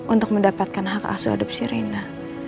untuk mendapatkan hak asuh hadap si rina